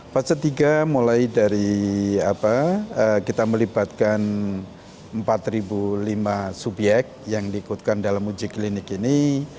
fase tiga mulai dari kita melibatkan empat lima subyek yang diikutkan dalam uji klinik ini